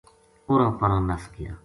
اُراں پراں نس گیا